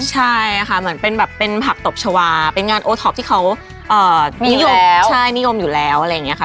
ใช่ค่ะเหมือนเป็นแบบเป็นผักตบชาวาเป็นงานโอท็อปที่เขานิยมใช่นิยมอยู่แล้วอะไรอย่างนี้ค่ะ